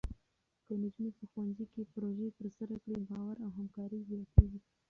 که نجونې په ښوونځي کې پروژې ترسره کړي، باور او همکاري زیاتېږي.